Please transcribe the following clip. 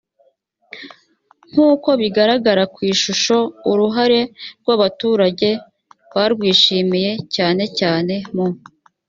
nk uko bigaragara ku ishusho uruhare rw abaturage barwishimiye cyane cyane mu